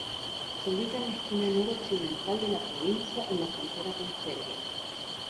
Se ubica en la esquina noroccidental de la provincia, en la frontera con Serbia.